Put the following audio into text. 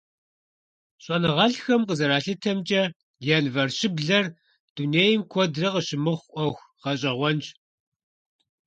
ЩӀэныгъэлӀхэм къызэралъытэмкӀэ, январь щыблэр дунейм куэдрэ къыщымыхъу Ӏуэху гъэщӀэгъуэнщ.